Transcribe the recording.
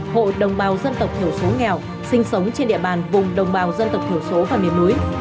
hộ đồng bào dân tộc thiểu số nghèo sinh sống trên địa bàn vùng đồng bào dân tộc thiểu số và miền núi